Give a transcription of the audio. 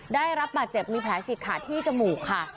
ได้รับบาดเจ็บมีแผลฉีกขาดที่จมูกค่ะ